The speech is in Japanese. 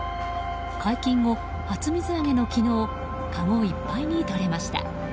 解禁後初水揚げの昨日かごいっぱいにとれました。